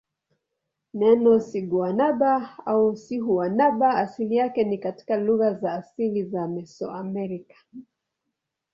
Neno siguanaba au sihuanaba asili yake ni katika lugha za asili za Mesoamerica.